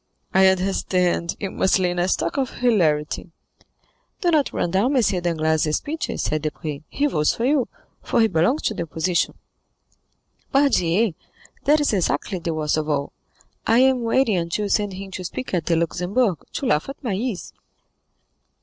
"I understand; you must lay in a stock of hilarity." "Do not run down M. Danglars' speeches," said Debray; "he votes for you, for he belongs to the opposition." "Pardieu, that is exactly the worst of all. I am waiting until you send him to speak at the Luxembourg, to laugh at my ease."